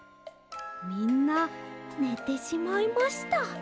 みんなねてしまいました。